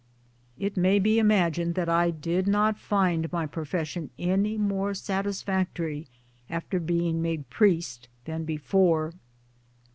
It may be imagined that I did not find my pro fession any more satisfactory after being made priest than before.